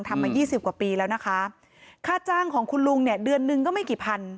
ทำมายี่สิบกว่าปีแล้วนะคะค่าจ้างของคุณลุงเนี่ยเดือนหนึ่งก็ไม่กี่พัน